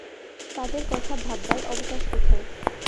তাদের কথা ভাববার অবকাশ কোথায়!